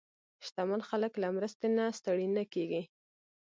شتمن خلک له مرستې نه ستړي نه کېږي.